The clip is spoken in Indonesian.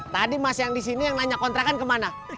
tadi mas yang di sini yang nanya kontrakan kemana